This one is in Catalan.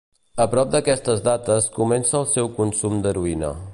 A prop d'aquestes dates comença el seu consum d'heroïna.